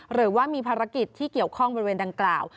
หรือว่ามีภารกิจที่เกี่ยวข้องบริเวณดังกล่าว